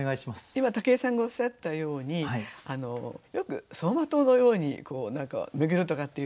今武井さんがおっしゃったようによく「走馬灯のように巡る」とかっていう比喩ありますよね。